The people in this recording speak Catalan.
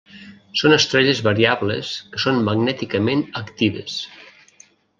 Són estrelles variables que són magnèticament actives.